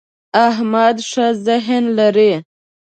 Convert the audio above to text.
احمد ښه ذهن لري.